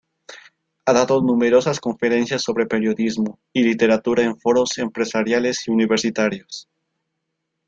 Ha dado numerosas conferencias sobre periodismo y literatura en foros empresariales y universitarios.